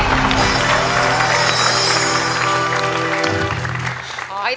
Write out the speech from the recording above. อ๋ออีกที